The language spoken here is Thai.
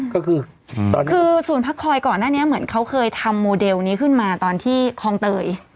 ก็คือคือศูนย์พักคอยก่อนหน้านี้เหมือนเขาเคยทำโมเดลนี้ขึ้นมาตอนที่คลองเตย